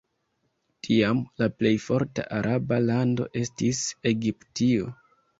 Tiam, la plej forta araba lando estis Egiptio.